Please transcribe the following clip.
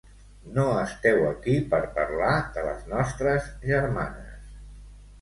No esteu aquí per parlar de les nostres germanes.